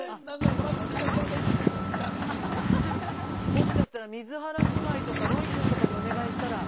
もしかしたら水原姉妹とかロイくんとかにお願いしたら。